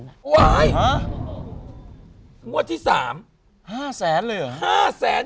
งวดที่๓๕๐๐๐๐๐เลยเหรอ